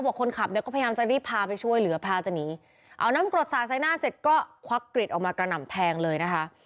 บอกคนขับเนี่ยก็พยายามจะรีบพาไปช่วยเหลือพาจะหนีเอาน้ำกรดสาดใส่หน้าเสร็จก็ควักกริดออกมากระหน่ำแทงเลยนะคะ